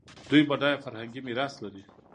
دوی بډایه فرهنګي میراث لري.